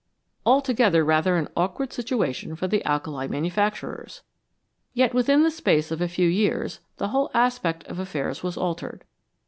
Altogether rather an awkward situation for the alkali manufacturers ! Yet within the space of a few years the whole aspect of affairs was altered.